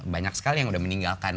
banyak sekali yang udah meninggalkan